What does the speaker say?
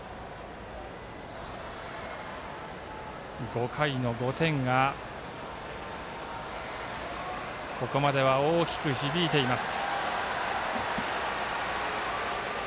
５回の５点がここまでは大きく響いています。